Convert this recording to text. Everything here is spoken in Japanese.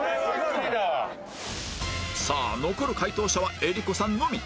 さあ残る解答者は江里子さんのみ